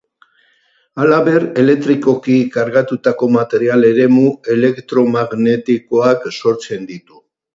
Halaber, elektrikoki kargatutako materiak eremu elektromagnetikoak sortzen ditu.